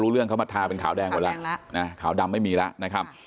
เรื่องเขามาทาเป็นขาวแดงหมดแล้วนะขาวดำไม่มีแล้วนะครับ